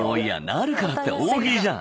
「なるから」って大喜利じゃん。